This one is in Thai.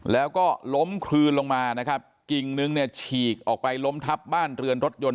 แล้วก็ล้มคลืนลงมานะครับกิ่งนึงเนี่ยฉีกออกไปล้มทับบ้านเรือนรถยนต